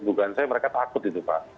dugaan saya mereka takut itu pak